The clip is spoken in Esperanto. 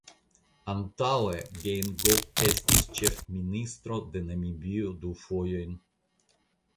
Antaŭe Geingob estis ĉefministro de Namibio du fojojn.